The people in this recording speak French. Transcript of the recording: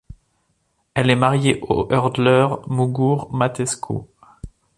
Elle est mariée au hurdleur Mugur Mateescu.